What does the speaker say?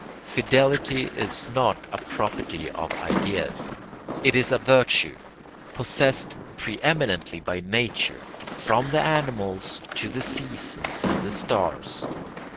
Fidelity is not a property of ideas. It is a virtue possessed pre eminently by nature, from the animals to the seasons and the stars.